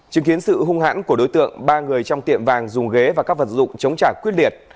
chứng kiến sự hung hãn của đối tượng ba người trong tiệm vàng dùng ghế và các vật dụng chống trả quyết liệt